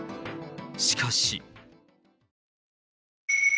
しかし。